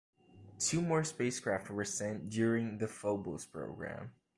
Two more spacecraft were sent during the Phobos program.